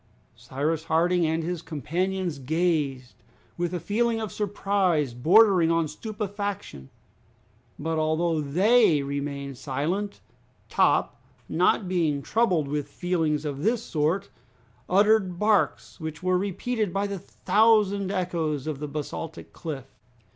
Cyrus Harding and his companions gazed, with a feeling of surprise bordering on stupefaction. But, although they remained silent, Top, not being troubled with feelings of this sort, uttered barks which were repeated by the thousand echoes of the basaltic cliff.